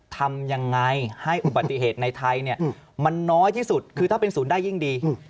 ทำยังไงให้อุบัติเหตุในไทยเนี่ยมันน้อยที่สุดคือถ้าเป็นศูนย์ได้ยิ่งดี